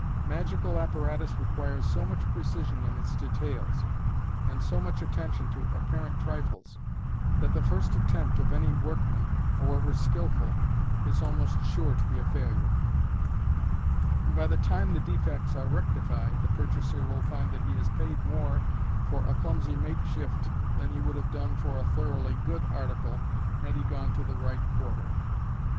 Magical apparatus requires so much precision in its details, and so much attention to apparent trifles, that the first attempt of any workman, however skilful, is almost sure to be a failure ; and by the time the defects are rectified, the purchaser will find that he has paid more for a clumsy makeshift than he would have done for a thoroughly good article had he gone to the right quarter.